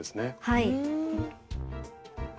はい。